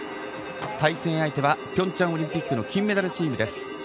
対戦相手はピョンチャンオリンピック金メダルチームです。